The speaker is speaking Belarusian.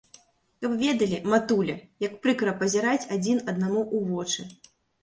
Каб ведалі, матуля, як прыкра пазіраць адзін аднаму ў вочы!